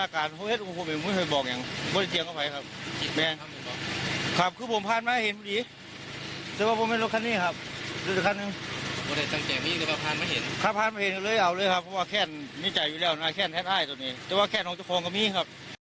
แค่นิจจัยอยู่แล้วนะแค่นแทนไห้ตัวนี้แต่ว่าแค่น้องจุภงก็มีครับ